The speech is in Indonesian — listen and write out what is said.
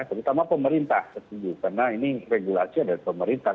terutama pemerintah karena ini regulasi dari pemerintah